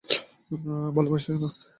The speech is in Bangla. ভালোবাসি, সোনা।